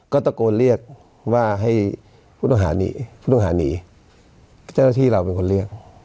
ก็ตะโกนเรียกว่าให้ผู้ต้องหาหนีผู้ต้องหาหนีเจ้าหน้าที่เราเป็นคนเรียก